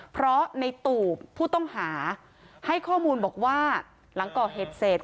เพราะในตูบผู้ต้องหาให้ข้อมูลบอกว่าหลังก่อเหตุเสร็จ